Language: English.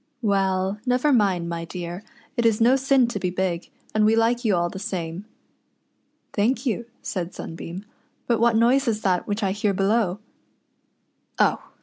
Well, never mind, my dear, it is no sin to be big, and we like you all the same." " Thank you," said Sunbeam ;" but what noise is that which I hear below }" "Oh!